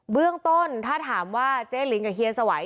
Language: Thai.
เบื้องต้นถ้าถามว่าเจ๊ลิงกับเฮียสวัย